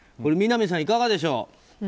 南さん、いかがでしょう。